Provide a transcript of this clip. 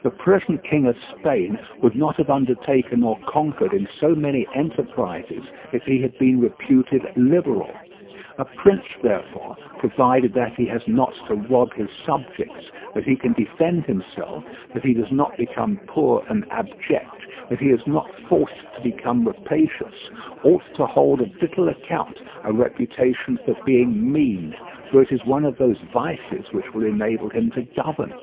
The present King of Spain would not have undertaken or conquered in so many enterprises if he had been reputed liberal. A prince, therefore, provided that he has not to rob his subjects, that he can defend himself, that he does not become poor and abject, that he is not forced to become rapacious, ought to hold of little account a reputation for being mean, for it is one of those vices which will enable him to govern.